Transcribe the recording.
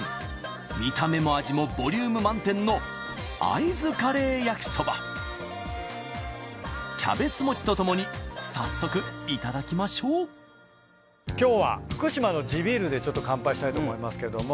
見た目も味もボリューム満点のキャベツ餅とともに早速いただきましょう今日は福島の地ビールでちょっと乾杯したいと思いますけども。